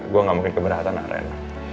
gua gak mungkin keberatan aren